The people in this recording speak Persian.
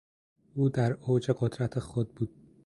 او در اوج قدرت خود بود.